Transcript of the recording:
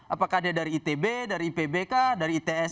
apakah dia dari itb dari ipbk dari its